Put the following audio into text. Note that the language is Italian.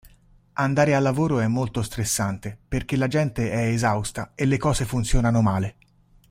Andare a lavoro è molto stressante perché la gente è esausta e le cose funzionano male.